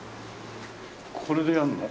これでやるの？